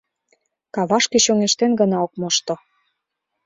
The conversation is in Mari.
Кавашке чоҥештен гына ок мошто.